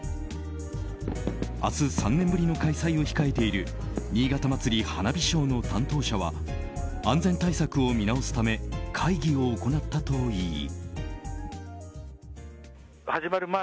明日、３年ぶりの開催を控えている新潟まつり花火ショーの担当者は安全対策を見直すため会議を行ったといい。